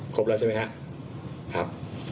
ครบแล้วใช่ไหมครับ